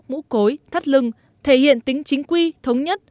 mũ cối thắt lưng thể hiện tính chính quy thống nhất